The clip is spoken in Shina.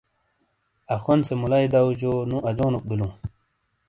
اخون سے مُلئی دو جو نو اجونوک بیلو۔